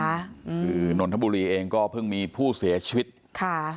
คือนนทบุรีเองก็เพิ่งมีผู้เสียชีวิตค่ะ